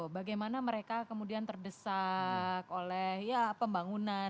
bagaimana mereka kemudian terdesak oleh pembangunan